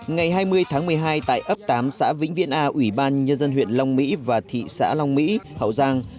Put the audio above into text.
ngày hai mươi tháng một mươi hai tại ấp tám xã vĩnh viên a ủy ban nhân dân huyện long mỹ và thị xã long mỹ hậu giang